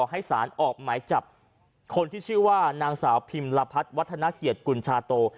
ให้สารออกหมายจับคนที่ชื่อว่านางสาวพิมลพัฒน์วัฒนาเกียรติกุญชาโต